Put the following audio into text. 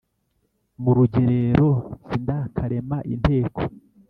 Mu rugerero sindakarema inteko